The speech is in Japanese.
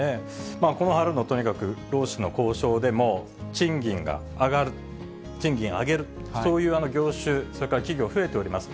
この春の、とにかく、労使の交渉でも、賃金が上がる、賃金上げる、そういう業種、それから企業、増えております。